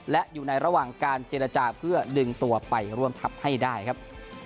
และอยู่ในระหว่างการเจรจาเพื่อดึงตัวไปร่วมทัพให้ได้ครับ